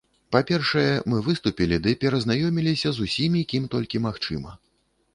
Па-першае, мы выступілі ды перазнаёміліся з усімі, кім толькі магчыма.